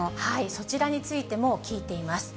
そちらについても、聞いています。